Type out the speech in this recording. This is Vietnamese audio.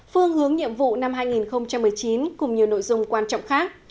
phương hướng nhiệm vụ năm hai nghìn một mươi chín cùng nhiều nội dung quan trọng khác